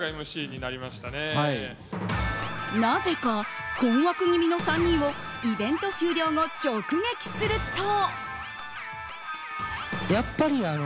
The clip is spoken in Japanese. なぜか困惑気味の３人をイベント終了後、直撃すると。